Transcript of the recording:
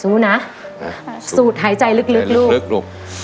สู้นะสูดหายใจลึกลูก